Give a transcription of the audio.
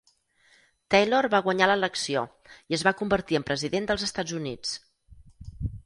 Taylor va guanyar l'elecció i es va convertir en President dels Estats Units.